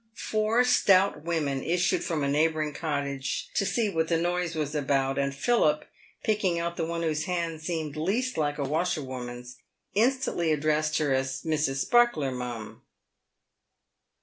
Pour stout women issued from a neighbouring cottage to see what the noise was about, and Philip, picking out the one whose hands seemed least like a washerwoman's, instantly addressed her as " Mrs. Sparkler, mum."